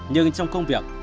nhưng trong công việc